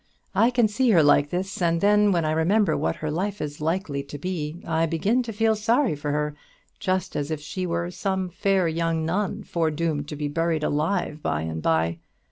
I can see her like this; and then, when I remember what her life is likely to be, I begin to feel sorry for her, just as if she were some fair young nun, foredoomed to be buried alive by and by.